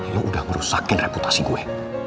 ya udah merusakin reputasi gue